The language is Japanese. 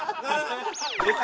出た！